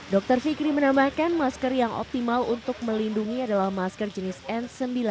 dr fikri menambahkan masker yang optimal untuk melindungi adalah masker jenis n sembilan puluh delapan